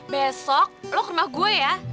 besok lo ke rumah gue ya